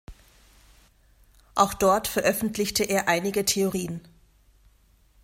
Auch dort veröffentlichte er einige Theorien.